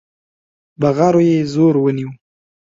بغارو يې زور ونيو.